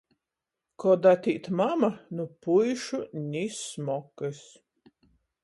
Kod atīt mama, nu puišu ni smokys.